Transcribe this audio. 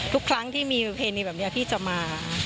ทุกครั้งที่มีประเพณีแบบนี้พี่จะมา